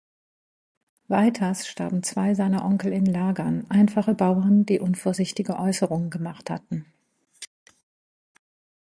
Weiters starben zwei seiner Onkel in Lagern, einfache Bauern, die unvorsichtige Äußerungen gemacht hatten.